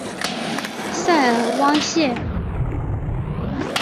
塞尔旺谢。